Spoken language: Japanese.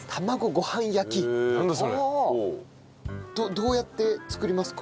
どうやって作りますか？